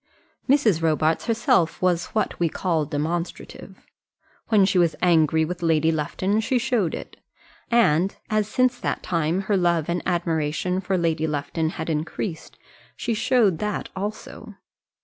Mrs. Robarts herself was what we call demonstrative. When she was angry with Lady Lufton she showed it. And as since that time her love and admiration for Lady Lufton had increased, she showed that also.